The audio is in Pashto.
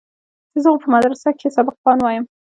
چې زه خو په مدرسه کښې سبقان وايم.